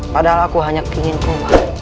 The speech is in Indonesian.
padahal aku hanya ingin keluar